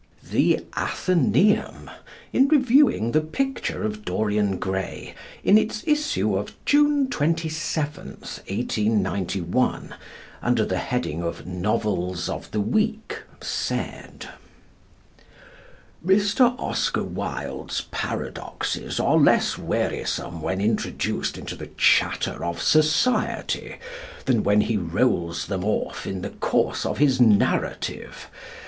The Athenæum in reviewing "The Picture of Dorian Gray," in its issue of June 27th, 1891, under the heading of "Novels of the Week," said: Mr. Oscar Wilde's paradoxes are less wearisome when introduced into the chatter of society than when he rolls them off in the course of his narrative.